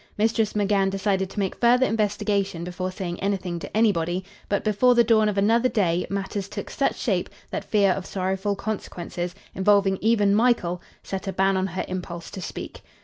Mistress McGann decided to make further investigation before saying anything to anybody; but, before the dawn of another day, matters took such shape that fear of sorrowful consequences, involving even Michael, set a ban on her impulse to speak.